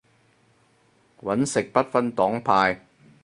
搵食不分黨派